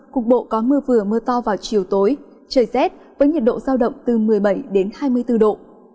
cục bộ có mưa vừa mưa to vào chiều tối trời rét với nhiệt độ giao động từ một mươi bảy đến hai mươi bốn độ